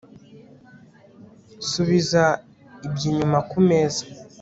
subiza ibyo inyuma kumeza